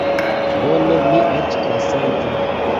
Bone, mi eĉ konsentu.